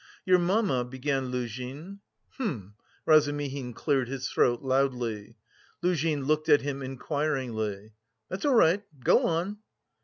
"Your mamma," began Luzhin. "Hm!" Razumihin cleared his throat loudly. Luzhin looked at him inquiringly. "That's all right, go on."